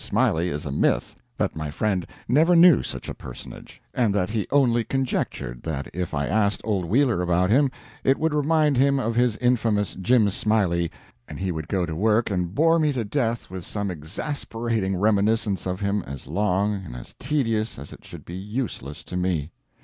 Smiley is a myth that my friend never knew such a personage; and that he only conjectured that if I asked old Wheeler about him, it would remind him of his infamous Jim Smiley, and he would go to work and bore me to death with some exasperating reminiscence of him as long and as tedious as it should be useless to me.